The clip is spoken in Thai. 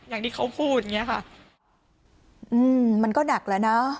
อย่างที่เขาพูดอย่างเงี้ยค่ะอืมมันก็หนักแล้วนะ